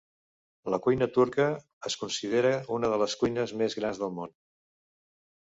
La cuina turca es considera una de les cuines més grans del món.